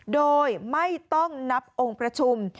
โดยไม่ต้องนับองค์ประชุม